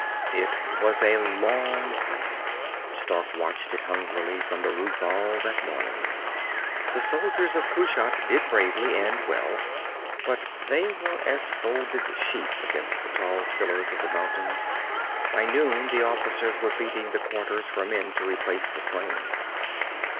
It was a long fight. Stark watched it hungrily from the roof all that morning. The soldiers of Kushat did bravely and well, but they were as folded sheep against the tall killers of the mountains. By noon the officers were beating the Quarters for men to replace the slain.